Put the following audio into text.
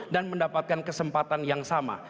mendapatkan kesempatan yang sama